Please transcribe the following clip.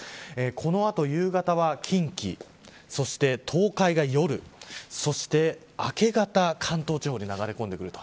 この後、夕方は近畿そして東海が夜そして明け方関東地方に流れ込んでくる。